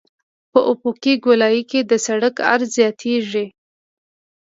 په افقي ګولایي کې د سرک عرض زیاتیږي